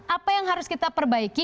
apa yang harus kita perbaiki